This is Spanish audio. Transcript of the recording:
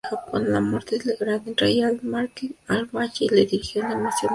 A la muerte del gran rey Al-Muqtadir, Al-Bayi le dirigió una emocionada elegía.